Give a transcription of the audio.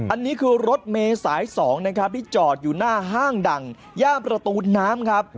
อันนี้คือรถเมย์สาย๒นะครับที่จอดอยู่หน้าห้างดังย่ามประตูน้ำครับ